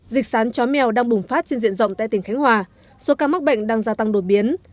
dịch sán chó mèo đang bùng phát trên diện rộng tại tỉnh khánh hòa số ca mắc bệnh đang gia tăng đột biến